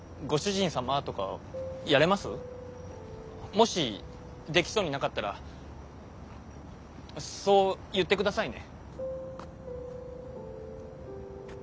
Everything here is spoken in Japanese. もしできそうになかったらそう言って下さいね。